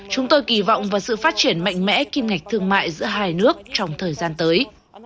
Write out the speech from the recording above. chúng tôi kỳ vọng vào sự phát triển mạnh mẽ kim ngạch thương mại giữa hai nước trong thời gian tới